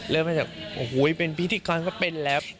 เริ่มมาจากเป็นพิธีกรก็เป็นแล้ว